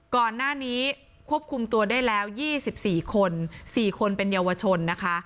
ก่อนหน้านี้ควบคุมตัวได้แล้ว๒๔คน๔คนเป็นเยาวชนนะคะ